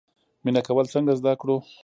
مینه کول څنګه زده کړو؟